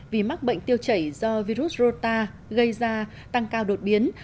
vì mắc bệnh tiêu chảy do virus rota gây ra tăng cao đột biến